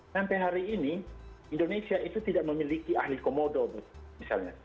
sampai hari ini indonesia itu tidak memiliki ahli komodo misalnya